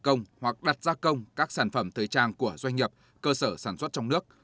công ty cũng không thể đặt ra công hoặc đặt ra công các sản phẩm thời trang của doanh nghiệp cơ sở sản xuất trong nước